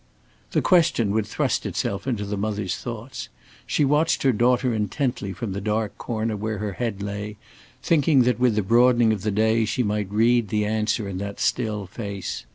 The question would thrust itself into the mother's thoughts. She watched her daughter intently from the dark corner where her head lay, thinking that with the broadening of the day she might read the answer in that still face.